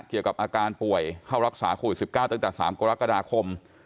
เกี่ยวกับอาการป่วยเข้ารักษาโควิด๑๙ตั้งแต่๓กรกฎาคม